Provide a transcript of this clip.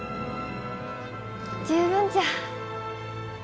十分じゃ。